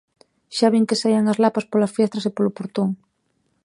Xa vin que saían as lapas polas fiestras e polo portón.